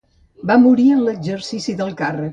Va morir en l'exercici del càrrec.